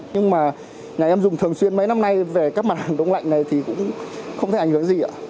nhưng mà nhà em dùng thường xuyên mấy năm nay về các mặt hàng đông lạnh này thì cũng không thấy ảnh hưởng gì ạ